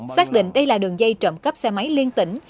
xác định đây là đường dây trộm cắp xe máy liên tỉnh